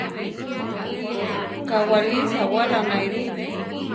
Kawáli sawála naáiru.